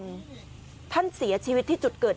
กลุ่มหนึ่งก็คือ